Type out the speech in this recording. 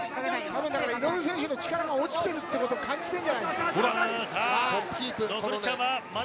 井上選手の力が落ちていることを感じているんじゃないですか。